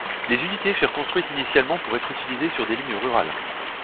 Ces unités furent construites initialement pour être utilisées sur des lignes rurales.